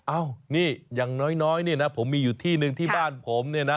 อ้าวนี่อย่างน้อยผมมีอยู่ที่หนึ่งที่บ้านผม